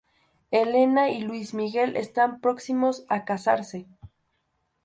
Helena y Luis Miguel están próximos a casarse.